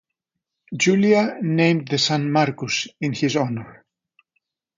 Julia named the son Marcus in his honor.